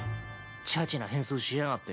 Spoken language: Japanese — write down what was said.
ちゃちな変装しやがって。